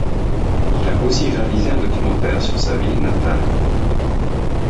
Il a aussi réalisé un documentaire sur sa ville natale.